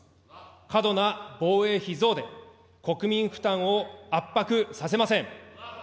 過度な防衛費増で国民負担を圧迫させません。